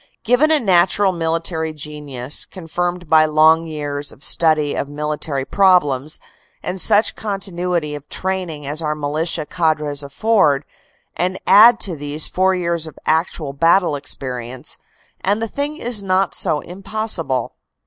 Given a natural military genius, confirmed by long years of study of military problems, and such continuity of training as our militia cadres afford, and add to these four years of actual battle experience, and the thing is not so impossible.